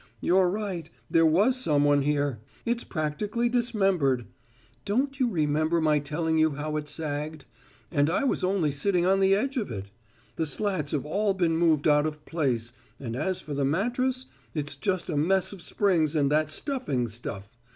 You're right; there was some one here. It's practically dismembered. Don't you remember my telling you how it sagged? And I was only sitting on the edge of it! The slats have all been moved out of place, and as for the mattress, it's just a mess of springs and that stuffing stuff.